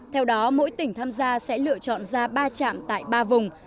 theo đó mỗi tỉnh tham gia sẽ lựa chọn ra ba trạm tại ba vùng